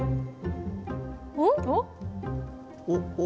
おっ。